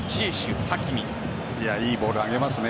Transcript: いいボールを上げますね。